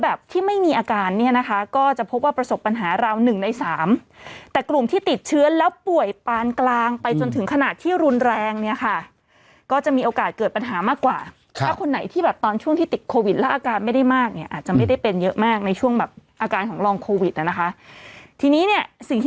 แบบที่ไม่มีอาการเนี่ยนะคะก็จะพบว่าประสบปัญหาราวหนึ่งในสามแต่กลุ่มที่ติดเชื้อแล้วป่วยปานกลางไปจนถึงขนาดที่รุนแรงเนี่ยค่ะก็จะมีโอกาสเกิดปัญหามากกว่าถ้าคนไหนที่แบบตอนช่วงที่ติดโควิดแล้วอาการไม่ได้มากเนี่ยอาจจะไม่ได้เป็นเยอะมากในช่วงแบบอาการของลองโควิดนะคะทีนี้เนี่ยสิ่งที่